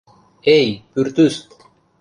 Эй, пӱртӱс!